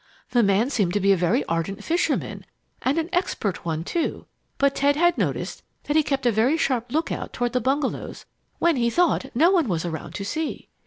The man seemed to be a very ardent fisherman, and an expert one, too, but Ted had noticed that he kept a very sharp lookout toward the bungalows when he thought no one was around to see.